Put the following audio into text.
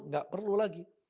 enggak perlu lagi